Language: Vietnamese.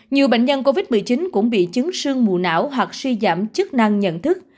nhiều bệnh nhân covid một mươi chín cũng bị chứng sương mù não hoặc suy giảm chức năng nhận thức